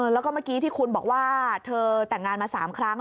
แล้วก็เมื่อกี้ที่คุณบอกว่าเธอแต่งงานมา๓ครั้ง